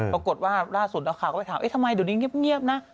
ปรากฏว่าล่าสุดนักข่าวก็ไปถามทำไมเดี๋ยวนี้เงียบนะ